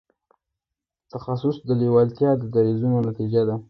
تخصص لېوالتیا دریځونو نتیجه ده.